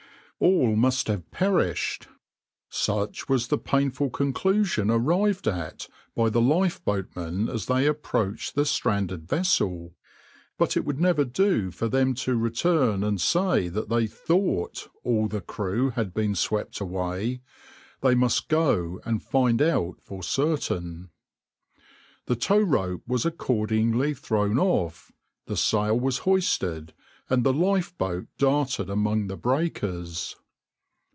\par "All must have perished!" Such was the painful conclusion arrived at by the lifeboatmen as they approached the stranded vessel, but it would never do for them to return and say that they {\itshape{thought}} all the crew had been swept away; they must go and find out for certain. The tow rope was accordingly thrown off, the sail was hoisted, and the lifeboat darted among the breakers.